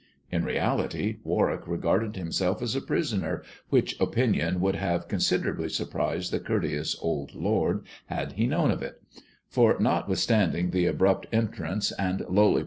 In reality Warwick regarded himself as a prisoner, which opinion would have consider ably surprised the courteous old lord had he known of it ; for notwithstanding the abrupt entrance and lowly.